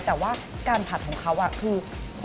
แต่ว่าการผัดของเขาคือ